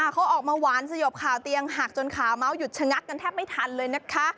เขาออกมาหวานสยบข่าวเตียงหักจนขาเมาส์หยุดชะงักกันแทบไม่ทันเลยนะคะ